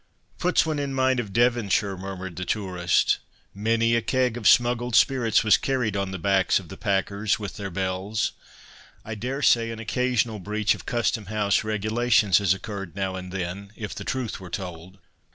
Puts one in mind of Devonshire," murmured the tourist. "Many a keg of smuggled spirits was carried on the backs of the packers, with their bells. I daresay an occasional breach of custom house regulations has occurred now and then if the truth were told.